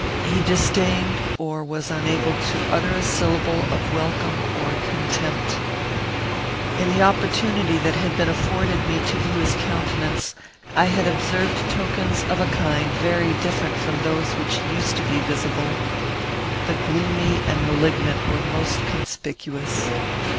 He disdained, or was unable, to utter a syllable of welcome or contempt. In the opportunity that had been afforded me to view his countenance, I had observed tokens of a kind very different from those which used to be visible. The gloomy and malignant were more conspicuous.